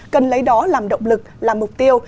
cần lấy đó làm động lực làm mục tiêu